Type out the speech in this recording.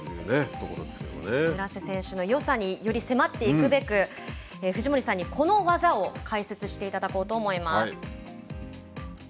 村瀬選手のよさにより迫っていくべく藤森さんに、この技を解説していただこうと思います。